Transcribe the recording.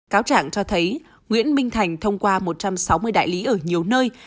cáo trạng cho thấy nguyễn minh thành thông qua một trăm sáu mươi đại lý ở nhiều nơi